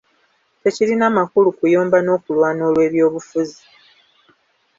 Tekirina makulu kuyomba n'okulwana olw'ebyobufuzi.